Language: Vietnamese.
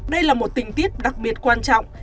đây là một tình tiết đặc biệt quan trọng